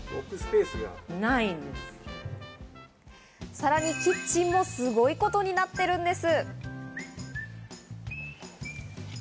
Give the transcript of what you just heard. さらにキッチンもすごいことになっているんです。